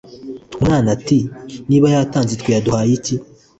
Umwana ati:”niba yatanze twe yaduhaye iki?”